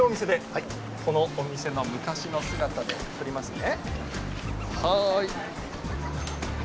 このお店の昔の姿で撮りますね。